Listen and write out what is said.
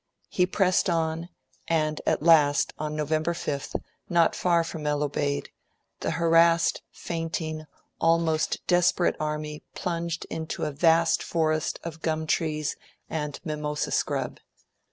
He pressed on, and at last, on November 5th, not far from El Obeid, the harassed, fainting, almost desperate army plunged into a vast forest of gumtrees and mimosa scrub.